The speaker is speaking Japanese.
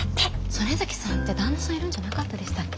曽根崎さんって旦那さんいるんじゃなかったでしたっけ？